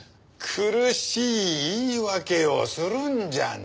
苦しい言い訳をするんじゃない。